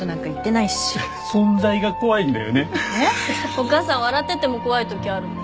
お母さん笑ってても怖いときあるもん。